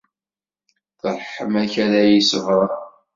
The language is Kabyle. D ṛṛeḥma-k ara iyi-iṣebbren.